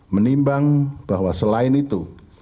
menimbang bahwa selain itu